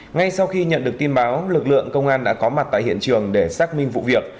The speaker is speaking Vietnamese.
ngay sau khi nhận được tin báo lực lượng công an đã có mặt tại hiện trường để xác minh vụ việc